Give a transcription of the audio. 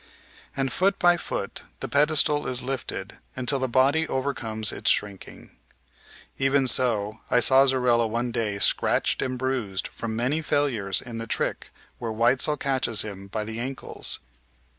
And foot by foot the pedestal is lifted until the body overcomes its shrinking. Even so I saw Zorella one day scratched and bruised from many failures in the trick where Weitzel catches him by the ankles.